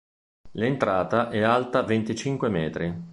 L'entrata è alta venticinque metri.